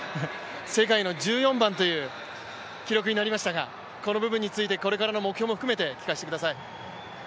世界の１４番という記録になりましたが、この部分について、これからの目標も含めて聞かせてください。